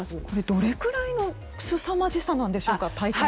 どれくらいのすさまじさなんでしょうか。